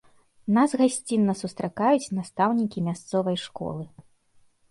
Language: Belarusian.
Нас гасцінна сустракаюць настаўнікі мясцовай школы.